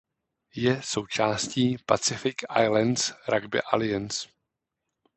Je součástí Pacific Islands Rugby Alliance.